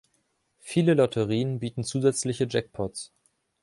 Viele Lotterien bieten zusätzliche Jackpots.